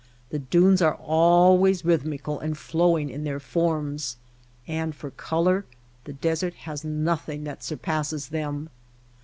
The dunes are al ways rhythmical and flowing in their forms; and for color the desert has nothing that sur passes them.